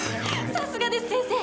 さすがです先生。